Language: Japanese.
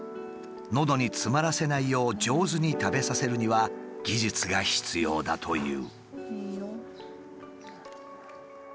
のどに詰まらせないよう上手に食べさせるには技術が必要だという。